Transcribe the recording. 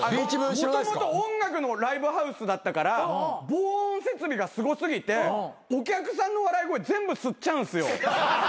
もともと音楽のライブハウスだったから防音設備がすご過ぎてお客さんの笑い声全部吸っちゃうんすよ。